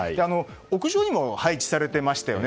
屋上にも配置されてましたよね。